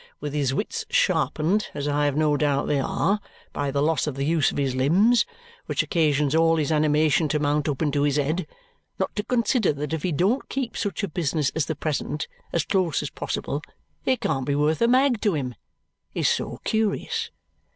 with his wits sharpened, as I have no doubt they are, by the loss of the use of his limbs, which occasions all his animation to mount up into his head, not to consider that if he don't keep such a business as the present as close as possible it can't be worth a mag to him, is so curious!